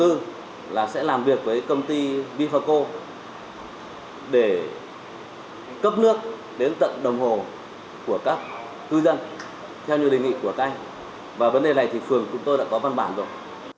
chúng ta sẽ làm việc với công ty bifaco để cấp nước đến tận đồng hồ của các thư dân theo như đề nghị của các anh và vấn đề này thì phường của tôi đã có văn bản rồi